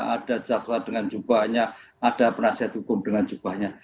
ada jaksa dengan jubahnya ada penasihat hukum dengan jubahnya